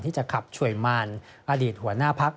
ที่จะขับช่วยมานอเดียดหัวหน้าภักร์